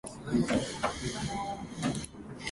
黒づくめの男たち